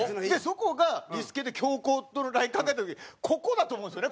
どこがリスケで強行とのライン考えた時ここだと思うんですよね。